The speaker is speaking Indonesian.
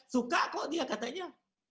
suka kok dia katanya